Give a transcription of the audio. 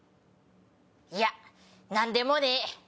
いや何でもねえ。